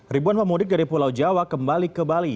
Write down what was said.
ribuan pemudik dari pulau jawa kembali ke bali